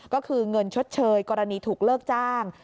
ก็คือเงินชดเชยกรณีถูกเลิกจ้าง